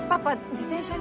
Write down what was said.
自転車に。